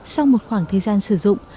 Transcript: sau một khoảng thời gian sử dụng